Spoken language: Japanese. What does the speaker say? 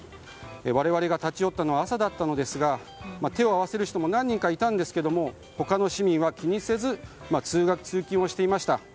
我々が立ち寄ったのは朝だったのですが手を合わせる人も何人かいたんですけれど他の市民は気にせず通学・通勤をしていました。